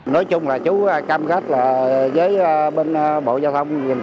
nếu chạy dư thì không thể chấp hành đúng